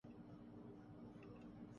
لیکن بہترین وکلا بھلا کیا کر سکتے تھے۔